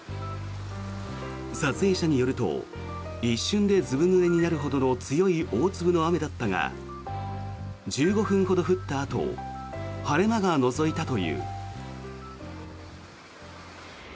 撮影者によると一瞬でずぶぬれになるほどの強い大粒の雨だったが１５分ほど降ったあと晴れ間がのぞいたという。